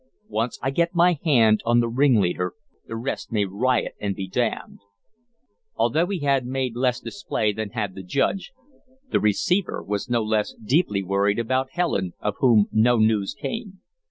Once I get my hand on the ringleader, the rest may riot and be damned." Although he had made less display than had the Judge, the receiver was no less deeply worried about Helen, of whom no news came.